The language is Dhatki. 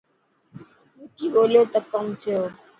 وڪي ٻولو ته ڪم ٿيو.